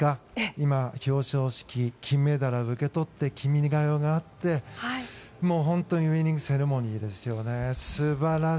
今、表彰式金メダルを受け取って「君が代」があって本当にウイニングセレモニーですよね。